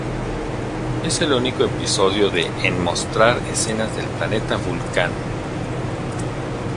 Es el único episodio de en mostrar escenas del planeta Vulcano.